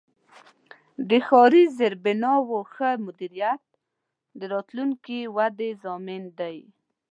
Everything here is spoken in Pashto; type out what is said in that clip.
د ښاري زیربناوو ښه مدیریت د راتلونکې ودې ضامن دی.